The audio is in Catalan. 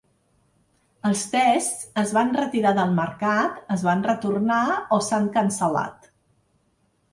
Els tests es van retirar del mercat, es van retornar o s’han cancel·lat.